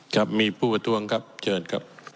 ครับมีผู้ประท้วงครับเชิญครับ